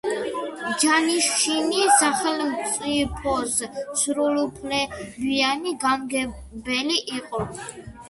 ჯანიშინი სახელმწიფოს სრულუფლებიანი გამგებელი იყო.